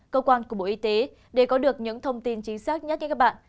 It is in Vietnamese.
cơ quan cục bộ y tế để có được những thông tin chính xác nhất như các bạn